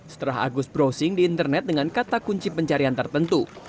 setelah agus browsing di internet dengan kata kunci pencarian tertentu